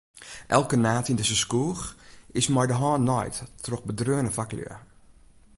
Elke naad yn dizze skoech is mei de hân naaid troch bedreaune faklju.